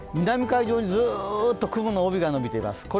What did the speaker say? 南海上にずっと雲の帯が伸びています。